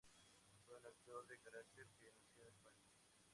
Fue un actor de carácter, que nació en España.